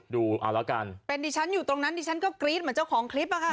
ดูเอาละกันเป็นดิฉันอยู่ตรงนั้นดิฉันก็กรี๊ดเหมือนเจ้าของคลิปอะค่ะ